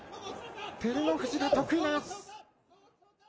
照ノ富士が得意な四つ。